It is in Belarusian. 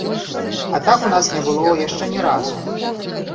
А так у нас не было яшчэ ні разу.